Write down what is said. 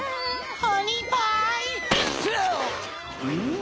ん？